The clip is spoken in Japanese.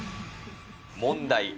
問題。